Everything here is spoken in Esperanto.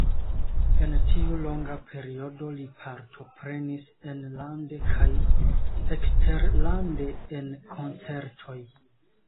En tiu longa periodo li partoprenis enlande kaj eksterlande en koncertoj.